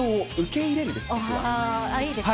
いいですね。